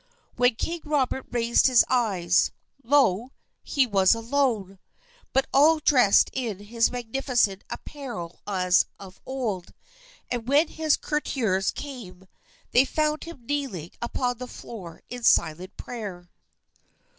When King Robert raised his eyes lo! he was alone, but all dressed in his magnificent apparel as of old; and when his courtiers came, they found him kneeling upon the floor in silent prayer.